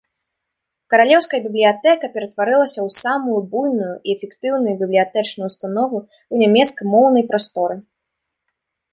Каралеўская бібліятэка ператварылася ў самую буйную і эфектыўную бібліятэчную ўстанову ў нямецкамоўнай прасторы.